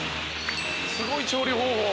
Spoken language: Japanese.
すごい調理方法。